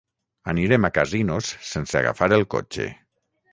Anirem a Casinos sense agafar el cotxe.